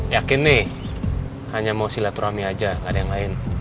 yakin nih hanya mau silaturahmi aja gak ada yang lain